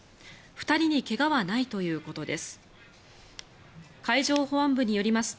２人に怪我はないということです。